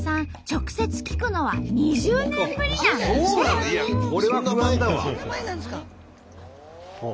直接聞くのは２０年ぶりなんだって！